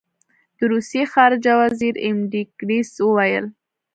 د روسیې خارجه وزیر ایم ډي ګیرس وویل.